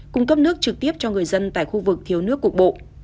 cung cấp nước trực tiếp cho người dân tại khu vực thiếu nước cục bộ